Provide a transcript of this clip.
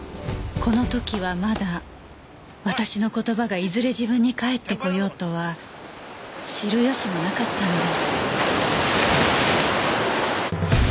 この時はまだ私の言葉がいずれ自分に返ってこようとは知る由もなかったのです